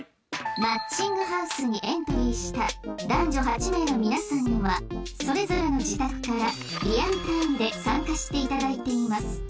「マッチング♥ハウス」にエントリーした男女８名の皆さんにはそれぞれの自宅からリアルタイムで参加していただいています。